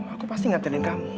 aku pasti nganterin kamu